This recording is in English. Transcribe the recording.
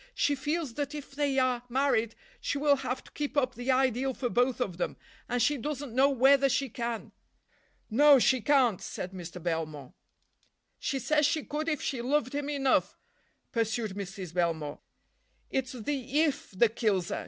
She feels that if they are married she will have to keep up the ideal for both of them, and she doesn't know whether she can." "No, she can't," said Mr. Belmore. "She says she could if she loved him enough," pursued Mrs. Belmore. "It's the if that kills her.